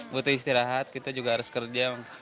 butuh istirahat kita juga harus kerja